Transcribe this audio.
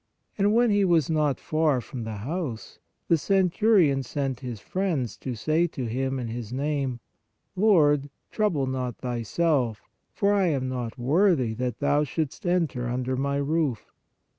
And when He was not far from the house, the centurion sent his friends to say to Him in his name : Lord, trouble not Thyself, for I am not worthy that Thou shouldst enter under my roof.